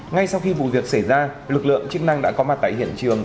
ngay sau khi vụ việc xảy ra lực lượng chức năng đã có mặt tại hiện trường